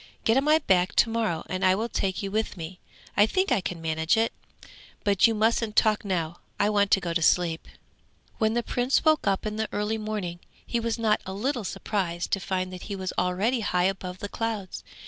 Get on my back to morrow and I will take you with me; I think I can manage it! But you mustn't talk now, I want to go to sleep.' When the Prince woke up in the early morning, he was not a little surprised to find that he was already high above the clouds.